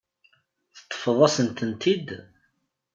Teṭṭfeḍ-as-tent-id.